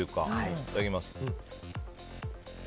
いただきます。